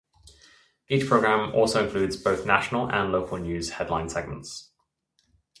Each program also includes both national and local news headline segments.